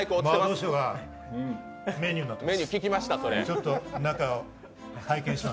魔導書がメニューになってます。